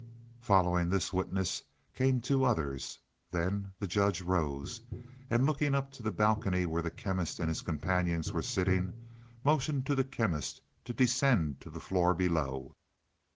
Following this witness came two others. Then the judge rose, and looking up to the balcony where the Chemist and his companions were sitting, motioned to the Chemist to descend to the floor below.